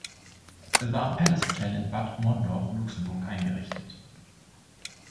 Es war im Palace Hotel in Bad Mondorf, Luxemburg eingerichtet.